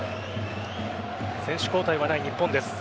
選手交代はない日本です。